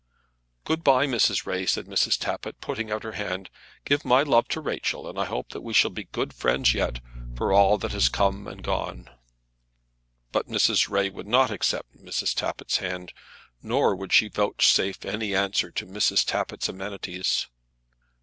"Good bye, Mrs. Ray," said Mrs. Tappitt, putting out her hand. "Give my love to Rachel. I hope that we shall be good friends yet, for all that has come and gone." But Mrs. Ray would not accept Mrs. Tappitt's hand, nor would she vouchsafe any answer to Mrs. Tappitt's amenities.